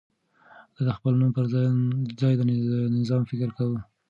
ده د خپل نوم پر ځای د نظام فکر کاوه.